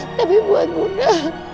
tapi buat bunda